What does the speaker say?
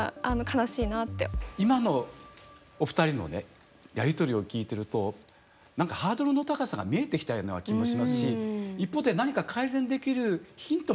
今のお二人のねやり取りを聞いてると何かハードルの高さが見えてきたような気もしますし一方で何か改善できるヒントもあるように感じたんですけれども。